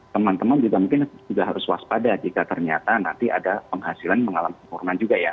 teman teman juga mungkin juga harus waspada jika ternyata nanti ada penghasilan mengalami penurunan juga ya